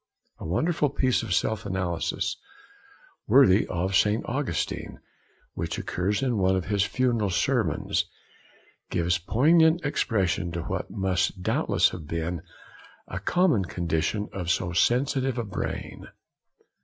A wonderful piece of self analysis, worthy of St. Augustine, which occurs in one of his funeral sermons, gives poignant expression to what must doubtless have been a common condition of so sensitive a brain.